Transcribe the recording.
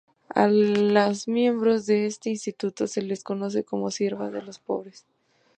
A las miembros de este instituto se les conoce como siervas de los pobres.